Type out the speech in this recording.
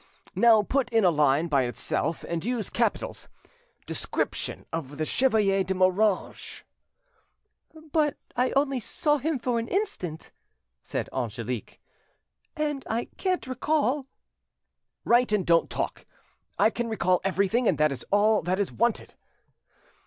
"Now put in a line by itself, and use capitals "'DESCRIPTION OF THE CHEVALIER DE MORANGES." "But I only saw him for an instant," said Angelique, "and I can't recall—— "Write, and don't talk. I can recall everything, and that is all that is wanted."